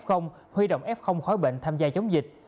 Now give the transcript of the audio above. huy động f khói bệnh tham gia chống dịch